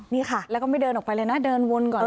นี่ค่ะแล้วก็ไม่เดินออกไปเลยนะเดินวนก่อน